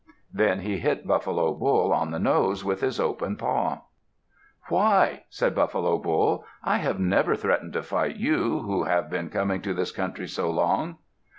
Then he hit Buffalo Bull on the nose with his open paw. "Why!" said Buffalo Bull, "I have never threatened to fight you, who have been coming to this country so long."